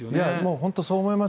本当にそう思います。